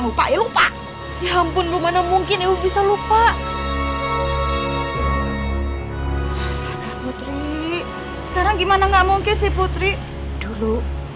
lupa lupa ya ampun lu mana mungkin bisa lupa sekarang gimana nggak mungkin sih putri dulu